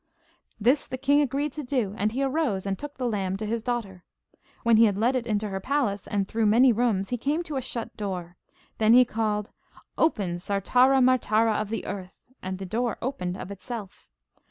This the king agreed to do, and he arose and took the lamb to his daughter. When he had led it into her palace, and through many rooms, he came to a shut door. Then he called 'Open, Sartara Martara of the earth!' and the door opened of itself.